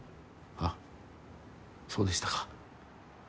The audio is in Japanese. あっそうでしたか。